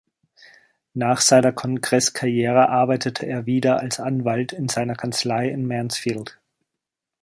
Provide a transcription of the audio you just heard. Nach seiner Kongresskarriere arbeitete er wieder als Anwalt in seiner Kanzlei in Mansfield.